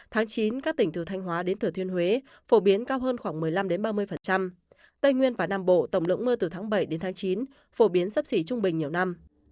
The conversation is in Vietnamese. tháng chín các tỉnh từ thanh hóa đến thừa thiên huế phổ biến cao hơn khoảng một mươi năm ba mươi tây nguyên và nam bộ tổng lượng mưa từ tháng bảy đến tháng chín phổ biến sấp xỉ trung bình nhiều năm